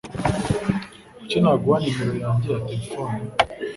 Kuki naguha numero yanjye ya terefone?